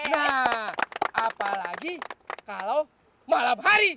ya apalagi kalau malam hari